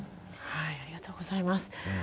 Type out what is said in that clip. ありがとうございます。